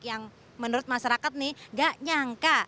yang menurut masyarakat nih gak nyangka